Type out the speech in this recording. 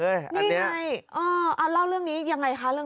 นี่ไงเอาเล่าเรื่องนี้ยังไงคะ